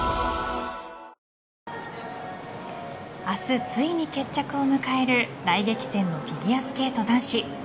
明日ついに決着を迎える大激戦のフィギュアスケート男子。